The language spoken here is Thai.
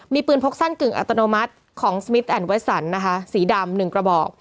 มีปืนพกสั้นกึ่งอัตโนมัติของสมิทแอนดเวสสันนะคะสีดำหนึ่งกระบอก